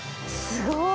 すごーい！